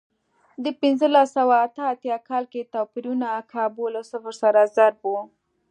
په پنځلس سوه اته اتیا کال کې توپیرونه کابو له صفر سره ضرب و.